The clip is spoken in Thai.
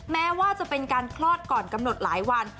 แม้ว่าจะเป็นการคลอดก่อนกำหนดหลายวัน